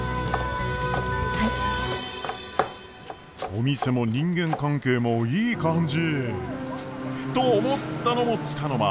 お店も人間関係もいい感じ！と思ったのもつかの間。